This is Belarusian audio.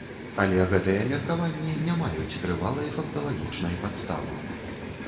Але гэтыя меркаванні не маюць трывалай факталагічнай падставы.